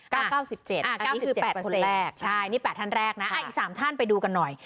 เก้าเก้าสิบเจ็ดอ่าเก้าสิบแปดคนแรกใช่นี่แปดท่านแรกนะอ่าอีกสามท่านไปดูกันหน่อย